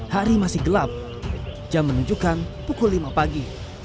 hari masih gelap jam menunjukkan pukul lima pagi